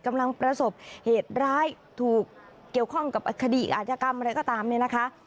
กำลังประสบเหตุร้ายถูกเกี่ยวข้องกับคดีอาจกรรมอะไรก็ตามเนี่ยนะคะ